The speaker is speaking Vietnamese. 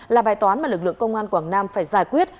là bài toán mà lực lượng công an quảng nam phải giải quyết